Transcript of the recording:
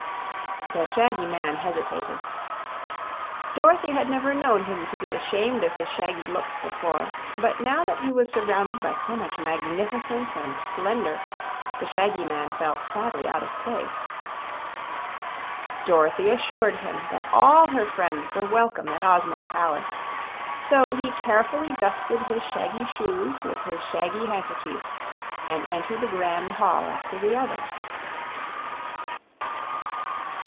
The shaggy man hesitated. Dorothy had never known him to be ashamed of his shaggy looks before, but now that he was surrounded by so much magnificence and splendor the shaggy man felt sadly out of place. Dorothy assured him that all her friends were welcome at Ozma's palace, so he carefully dusted his shaggy shoes with his shaggy handkerchief and entered the grand hall after the others.